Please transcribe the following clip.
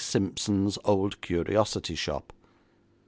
Simpson's old curiosity shop.